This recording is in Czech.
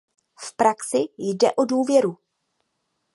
V praxi jde o důvěru.